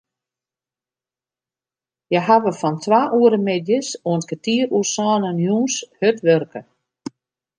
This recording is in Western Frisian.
Hja hawwe fan twa oere middeis oant kertier oer sânen jûns hurd wurke.